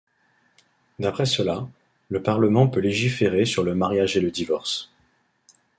D'après cela, le Parlement peut légiférer sur le mariage et le divorce.